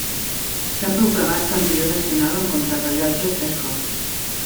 S'ha proclamat campió nacional en contrarellotge tres cops.